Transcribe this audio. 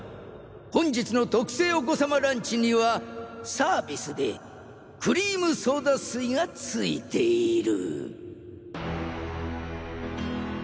本日の「特製お子さまランチ」にはサービスでクリームソーダ水が付いている。